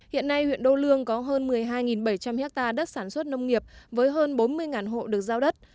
hiện nay huyện đô lương có hơn một mươi hai bảy trăm linh hectare đất sản xuất nông nghiệp với hơn bốn mươi hộ được giao đất